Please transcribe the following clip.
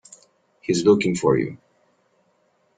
He's looking for you.